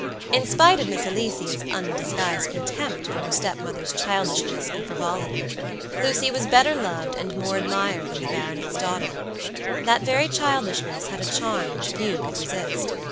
In spite of Miss Alicia's undisguised contempt for her step mother's childishness and frivolity, Lucy was better loved and more admired than the baronet's daughter. That very childishness had a charm which few could resist.